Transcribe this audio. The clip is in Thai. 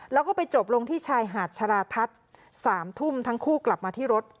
แล้วก็ไปจบลงที่ชายหาดชราทัศน์๓ทุ่มทั้งคู่กลับมาที่รถ